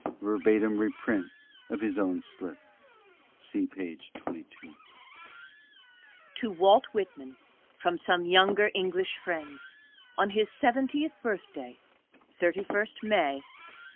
* Verbatim reprint of his own slip : see page 22* (5) To Walt Whitman, from some younger English Friends, on his Seventieth Birthday, 31st May, 1889.